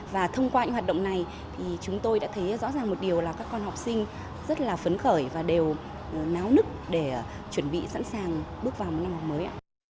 và thông qua những hoạt động này thì chúng tôi đã thấy rõ ràng một điều là các con học sinh rất là phấn khởi và đều náo nức để chuẩn bị sẵn sàng bước vào năm học mới ạ